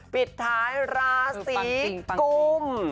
ปิดท้ายราศีกุม